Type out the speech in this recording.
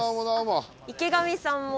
池上さんも。